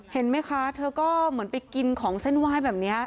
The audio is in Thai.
เห็นไหมคะเธอก็เหมือนไปกินของเส้นไหว้แบบนี้